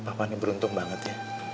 papa ini beruntung banget ya